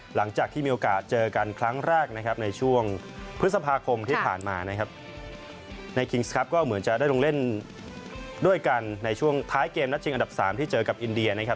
หลังจากที่มีโอกาสเจอกันครั้งแรกนะครับในช่วงพฤษภาคมที่ผ่านมานะครับในคิงส์ครับก็เหมือนจะได้ลงเล่นด้วยกันในช่วงท้ายเกมนัดชิงอันดับสามที่เจอกับอินเดียนะครับ